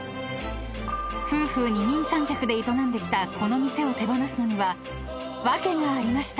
［夫婦二人三脚で営んできたこの店を手放すのには訳がありました］